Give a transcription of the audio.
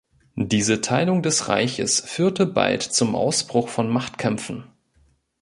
Diese Teilung des Reiches führte bald zum Ausbruch von Machtkämpfen.